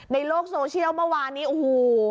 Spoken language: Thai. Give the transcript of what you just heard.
ในโลกโซเชียลเมื่อวานนี้โอ้โห